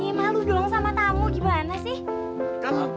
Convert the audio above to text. ini malu doang sama tamu gimana sih